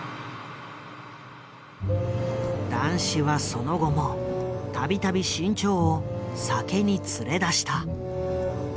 談志はその後も度々志ん朝を酒に連れ出した。